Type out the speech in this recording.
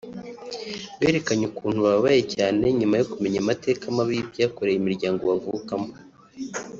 berekanye ukuntu bababaye cyane nyuma yo kumenya amateka mabi y’ibyakorewe imiryango bavukamo